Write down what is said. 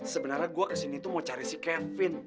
sebenarnya gue kesini tuh mau cari si kevin